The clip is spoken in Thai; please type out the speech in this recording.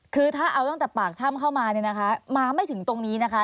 คือถ้าเอาตั้งแต่ปากถ้ำเข้ามาเนี่ยนะคะมาไม่ถึงตรงนี้นะคะ